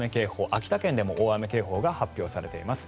秋田県でも大雨警報が発表されています。